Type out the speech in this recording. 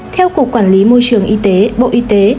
theo cục quản lý môi trường y tế bộ y tế